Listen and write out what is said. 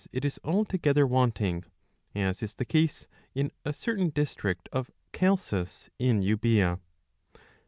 2. it is altogether wanting, as is the case in a certain district of Chalcis in Euboea.